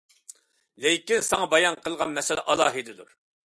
لېكىن، ساڭا بايان قىلغان مەسىلە ئالاھىدىدۇر.